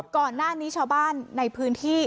ก่อนหน้านี้ชาวบ้านในพื้นที่